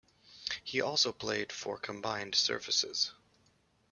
He also played for Combined Services.